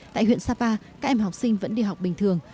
tại huyện sapa các em học sinh vẫn đi học bình thường